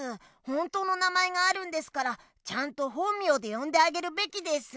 本当の名前があるんですからちゃんと本名でよんであげるべきです。